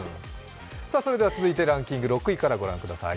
続いてランキング６位からご覧ください。